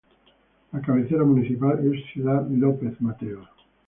La cabecera municipal es Ciudad López Mateos.